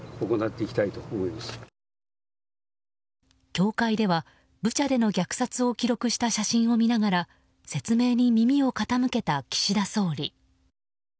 教会では、ブチャでの虐殺を記録した写真を見ながら説明に耳を傾けた岸田総理。